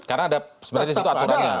karena ada sebenarnya disitu aturannya